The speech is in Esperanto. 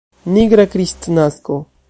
Nigra Kristnasko.